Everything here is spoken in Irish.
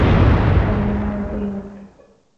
An bhfuil aon leabhar buí agat